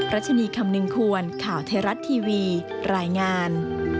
รัชนีคำนึงควรข่าวไทยรัฐทีวีรายงาน